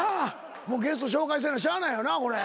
もうゲスト紹介せなしゃあないよなこれ。